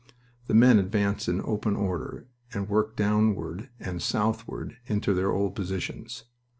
The men advanced in open order and worked downward and southward into their old positions.